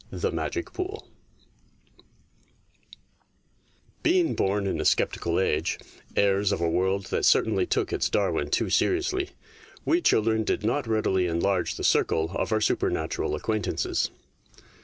THE MAGIC POOL BEING born in a sceptical age, heirs of a world that certainly took its Darwin too seriously, we children did not readily enlarge the circle of our supernatural acquaintances.